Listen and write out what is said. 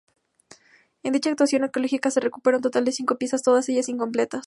En dicha actuación arqueológica se recuperaron un total de cinco piezas, todas ellas incompletas.